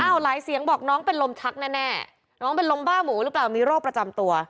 หลายเสียงบอกน้องเป็นลมชักแน่น้องเป็นลมบ้าหมูหรือเปล่ามีโรคประจำตัว